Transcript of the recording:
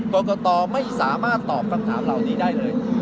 กรกตไม่สามารถตอบคำถามเหล่านี้ได้เลย